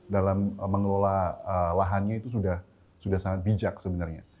dalam mengelola lahannya itu sudah sangat bijak sebenarnya